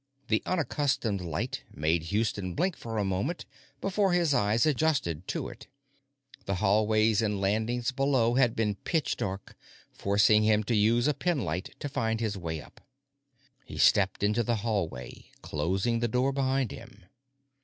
The unaccustomed light made Houston blink for a moment before his eyes adjusted to it; the hallways and landings below had been pitch dark, forcing him to use a penlight to find his way up. He stepped into the hallway, closing the door behind him.